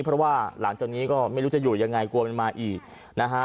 เพราะว่าหลังจากนี้ก็ไม่รู้จะอยู่ยังไงกลัวมันมาอีกนะฮะ